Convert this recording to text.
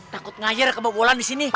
takut ngajir kebobolan di sini